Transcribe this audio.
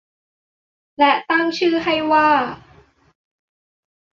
และตั้งชื่อให้ว่า